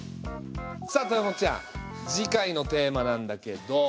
さあ豊本ちゃん次回のテーマなんだけど。